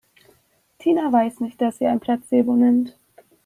Tina weiß nicht, dass sie ein Placebo nimmt.